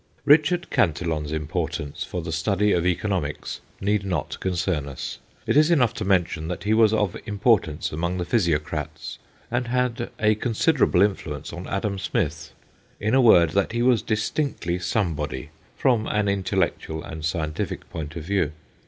Richard Cantillon's importance for the study of economics need not concern us : it is enough to mention that he was of im portance among the Physiocrats, and had a considerable influence on Adam Smith in a word, that he was distinctly somebody from an intellectual and scientific point of view.